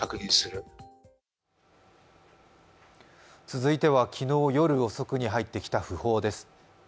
続いては昨日夜遅くに入ってきた訃報です。